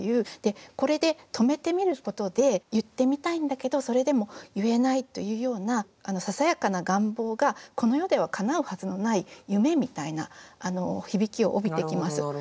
これで止めてみることで「言ってみたいんだけどそれでも言えない」というようなささやかな願望がこの世ではかなうはずのない夢みたいな響きを帯びてきます。